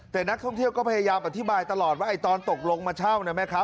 แต่นักท่องเที่ยวก็พยายามอธิบายตลอดว่าตอนตกลงมาเช่า